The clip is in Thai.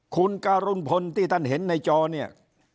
คุณการุณพลที่ท่านเห็นในจอเนี่ย